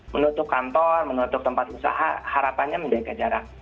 menutup kantor menutup tempat usaha harapannya menjaga jarak